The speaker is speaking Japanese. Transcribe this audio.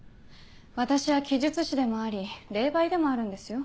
私は奇術師でもあり霊媒でもあるんですよ？